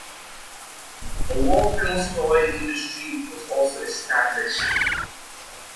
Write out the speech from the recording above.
A world famous toy industry was also established.